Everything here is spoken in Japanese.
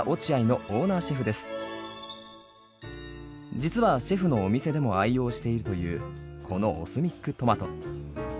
実はシェフのお店でも愛用しているというこのＯＳＭＩＣトマト。